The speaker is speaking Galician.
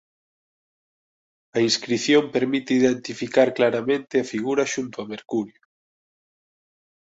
A inscrición permite identificar claramente a figura xunto a Mercurio.